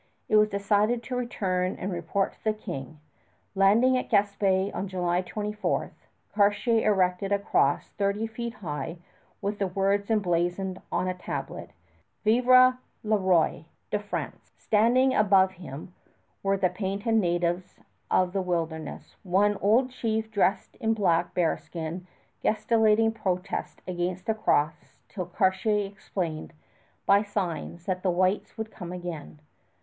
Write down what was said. It was decided to return and report to the King. Landing at Gaspé on July 24, Cartier erected a cross thirty feet high with the words emblazoned on a tablet, Vive le Roi de France. Standing about him were the painted natives of the wilderness, one old chief dressed in black bearskin gesticulating protest against the cross till Cartier explained by signs that the whites would come again.